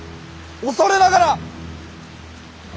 恐れながら！